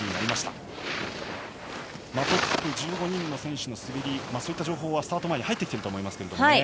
トップ１５人の選手の滑りの情報はスタート前に入ってきていると思いますが。